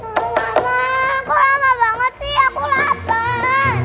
mama mama kok lama banget sih aku lapar